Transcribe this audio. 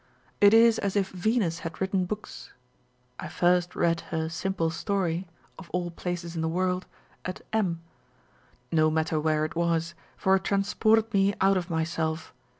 It is as if Venus had written books. I first read her Simple Story (of all places in the world) at M . No matter where it was ; for it transported me out of myself.